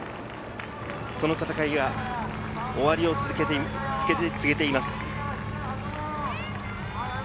その戦いが終わりを告げています。